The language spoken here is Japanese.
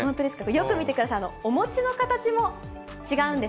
よく見てくださ丸い。